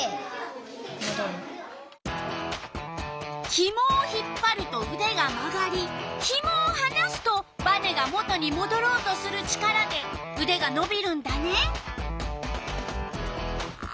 ひもを引っぱるとうでが曲がりひもをはなすとバネが元にもどろうとする力でうでがのびるんだね。